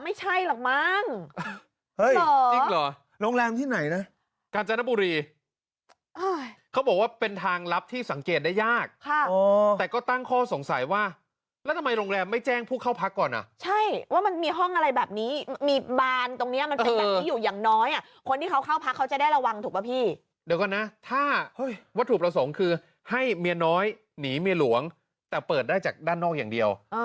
อ๋อไม่ใช่หรอกมั้งเฮ้ยจริงเหรอโรงแรมที่ไหนนะกาญจนบุรีเขาบอกว่าเป็นทางรับที่สังเกตได้ยากค่ะโอ้แต่ก็ตั้งข้อสงสัยว่าแล้วทำไมโรงแรมไม่แจ้งผู้เข้าพักก่อนอ่ะใช่ว่ามันมีห้องอะไรแบบนี้มีบานตรงเนี้ยมันเป็นหลักที่อยู่อย่างน้อยอ่ะคนที่เขาเข้าพักเขาจะได้ระวังถูกป่ะพี่เ